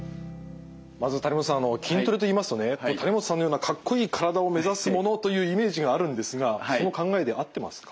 まず谷本さん筋トレといいますとね谷本さんのようなかっこいい体を目指すものというイメージがあるんですがその考えで合ってますか？